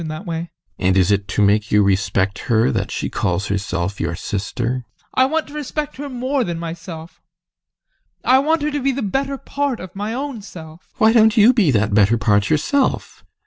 And is it to make you respect her that she calls herself your sister? ADOLPH. I want to respect her more than myself. I want her to be the better part of my own self. GUSTAV. Why don't you be that better part yourself?